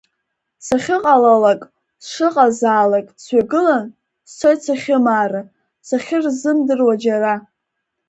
Сахьыҟалалак, сшыҟазаалак, сҩагылан, сцоит сахьымаара, сахьырзымдыруа џьара.